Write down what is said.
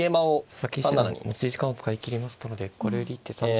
佐々木七段持ち時間を使い切りましたのでこれより一手３０秒未満で。